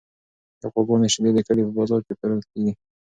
د غواګانو شیدې د کلي په بازار کې پلورل کیږي.